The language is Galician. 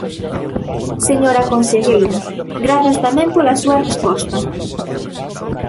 Señora conselleira, grazas tamén pola súa resposta.